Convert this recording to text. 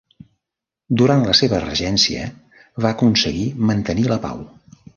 Durant la seva regència va aconseguir mantenir la pau.